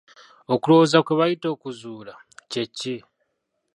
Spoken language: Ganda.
Okulowooza kwe bayita 'okuzuula' kye ki?